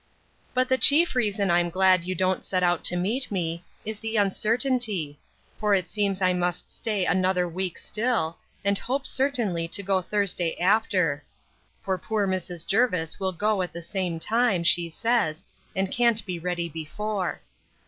But the chief reason I'm glad you don't set out to meet me, is the uncertainty; for it seems I must stay another week still, and hope certainly to go Thursday after. For poor Mrs. Jervis will go at the same time, she says, and can't be ready before.